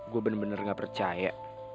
gue bener bener gak percaya